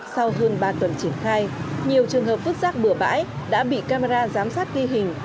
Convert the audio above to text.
sau hơn ba tuần triển khai nhiều trường hợp vứt rác bừa bãi đã bị camera giám sát ghi hình